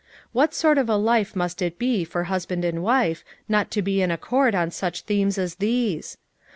What sort of a life must it be for husband and wife not to be in accord on such themes as these?